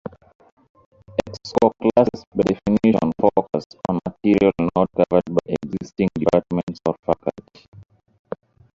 ExCo classes by definition focus on material not covered by existing departments or faculty.